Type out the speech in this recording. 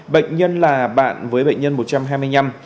bệnh nhân là bạn với bệnh nhân một trăm hai mươi năm